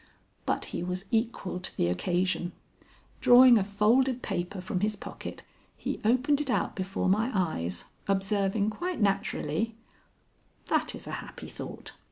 But he was equal to the occasion. Drawing a folded paper from his pocket, he opened it out before my eyes, observing quite naturally: "That is a happy thought.